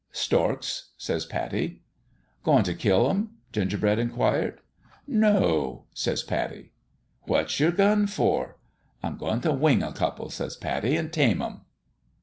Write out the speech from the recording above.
" Storks," says Pattie. " Goin' t' kill 'em ?" Gingerbread inquired. " No," says Pattie. " What's your gun for? "" I'm goin' t' wing a couple," says Pattie, "an' tame 'em."